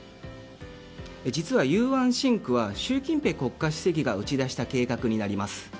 実は、雄安新区は習近平国家主席が打ち出した計画になります。